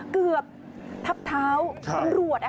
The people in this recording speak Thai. เกือบทับเท้าตำรวจ